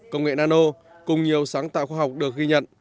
công nghệ nano cùng nhiều sáng tạo khoa học được ghi nhận